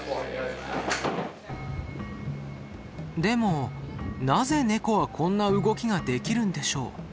でもなぜネコはこんな動きができるんでしょう。